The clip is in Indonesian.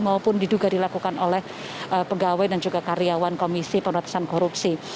maupun diduga dilakukan oleh pegawai dan juga karyawan komisi pemerintahan korupsi